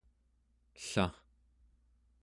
ella